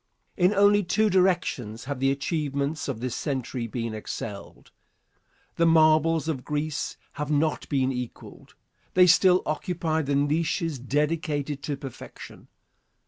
In only two directions have the achievements of this century been excelled. The marbles of Greece have not been equalled. They still occupy the niches dedicated to perfection.